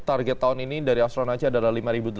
target tahun ini dari astronaci adalah lima delapan ratus